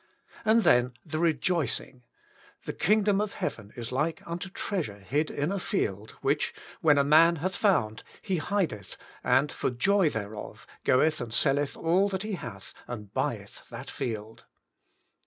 '^ And then the Eejoicing, " The King dom of Heaven is like unto treasure hid in a field which, when a man hath found, he hideth, and for joy thereof goeth and selleth all that he hath, and buyeth that field."